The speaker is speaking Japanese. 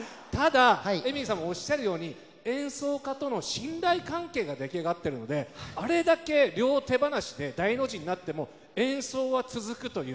ただ、演奏家との信頼関係が出来上がっているのであれだけ両手放しで大の字になっても演奏は続くという。